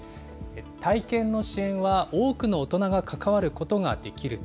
体験の支援は多くの大人が関わることができると。